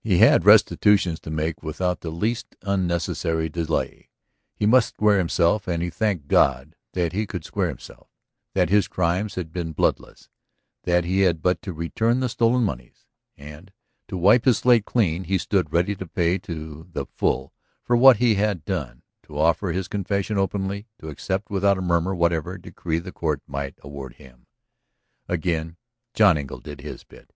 He had restitutions to make without the least unnecessary delay. He must square himself and he thanked God that he could square himself, that his crimes had been bloodless, that he had but to return the stolen moneys. And, to wipe his slate clean, he stood ready to pay to the full for what he had done, to offer his confession openly, to accept without a murmur whatever decree the court might award him. Again John Engle did his bit.